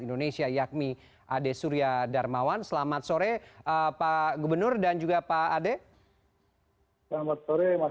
indonesia yakni ade surya darmawan selamat sore pak gubernur dan juga pak ade selamat sore mas